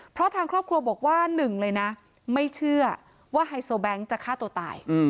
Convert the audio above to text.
เพราะทางครอบครัวบอกว่าหนึ่งเลยนะไม่เชื่อว่าไฮโซแบงค์จะฆ่าตัวตาย